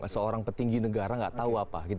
seorang petinggi negara nggak tahu apa